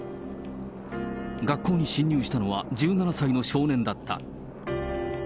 学校に侵入したのは１７歳の少年だった。